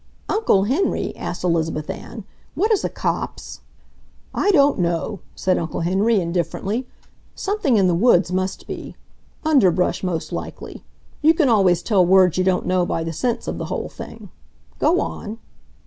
"Uncle Henry," asked Elizabeth Ann, "what is a copse?" "I don't know," said Uncle Henry indifferently. "Something in the woods, must be. Underbrush most likely. You can always tell words you don't know by the sense of the whole thing. Go on."